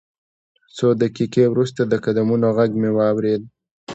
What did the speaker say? څو دقیقې وروسته د قدمونو غږ مې واورېد